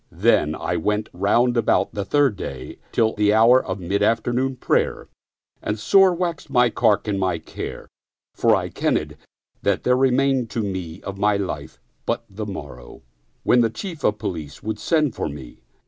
Then I went round about the third day till the hour of mid afternoon prayer, and sore 59 Oriental Mystery Stories waxed my cark and my care for I kenned that there re mained to me of my life but the morrow, when the Chief of Police would send for me.